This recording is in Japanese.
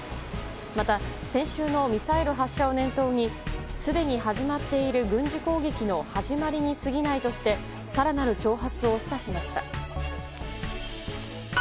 また先週のミサイル発射を念頭にすでに始まっている軍事攻撃の始まりにすぎないとして更なる挑発を示唆しました。